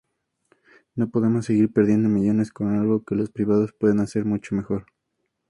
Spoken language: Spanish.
No podemos seguir perdiendo millones con algo que los privados pueden hacer mucho mejor.